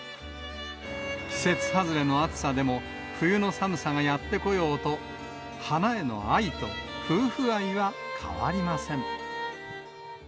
季節外れの暑さでも、冬の寒さがやって来ようと、花への愛と夫婦愛は変わりません。